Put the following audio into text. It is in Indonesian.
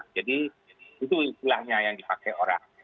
jadi itu istilahnya yang dipakai orang